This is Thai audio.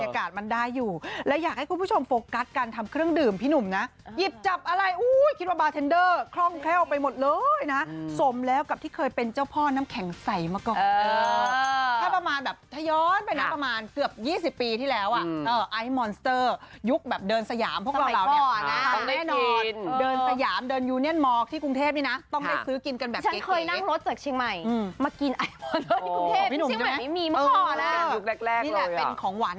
คล้ายกับฟิล์มว่าเออเป็นจำลองบาร์แอลกอฮอล์